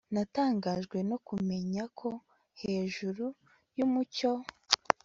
Natangajwe no kumenya ko hejuru yumucyo